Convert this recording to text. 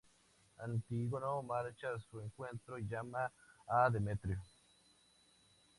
Antígono marcha a su encuentro y llama a Demetrio.